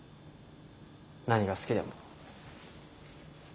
何が好きでも。